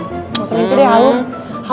gak usah mimpi deh hal hal